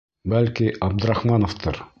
Бәлки Абдрахмановтыр?